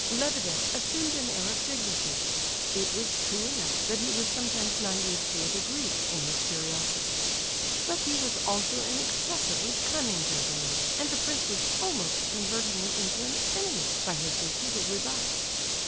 Lebedeff assumed an air of dignity. It was true enough that he was sometimes naive to a degree in his curiosity; but he was also an excessively cunning gentleman, and the prince was almost converting him into an enemy by his repeated rebuffs.